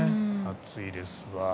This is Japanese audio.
暑いですわ。